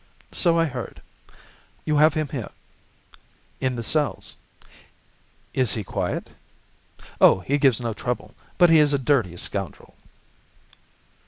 "So I heard. You have him here?" "In the cells." "Is he quiet?" "Oh, he gives no trouble. But he is a dirty scoundrel."